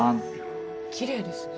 きれいですね。